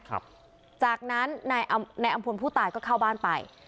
ครับจากนั้นนายอำพลผู้ตายก็เข้าบ้านไป